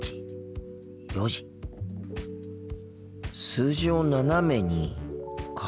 「数字を斜めに」か。